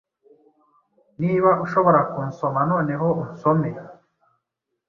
Niba ushaka kunsoma, noneho unsome.